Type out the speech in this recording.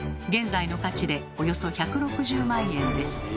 現在の価値でおよそ１６０万円です。